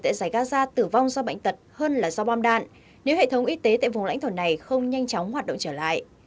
tại giải gaza tử vong do bệnh tật hơn là do bom đạn nếu hệ thống y tế tại vùng lãnh thổ này không nhanh chóng hoạt động trở lại